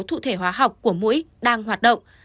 thụ thể hóa học của mũi đang hoạt động